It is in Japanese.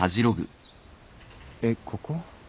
えっここ？